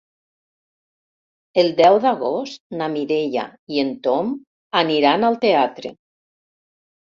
El deu d'agost na Mireia i en Tom aniran al teatre.